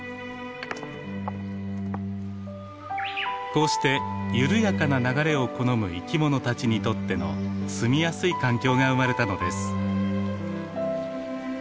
こうして緩やかな流れを好む生きものたちにとっての住みやすい環境が生まれたのです。